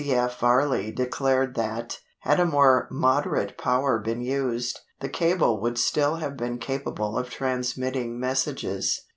C. F. Varley declared that "had a more moderate power been used, the cable would still have been capable of transmitting messages."